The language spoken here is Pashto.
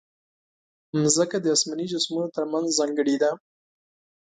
مځکه د اسماني جسمونو ترمنځ ځانګړې ده.